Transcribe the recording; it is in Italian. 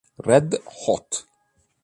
Red Hot